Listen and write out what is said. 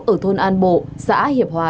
ở thôn an bộ xã hiệp hòa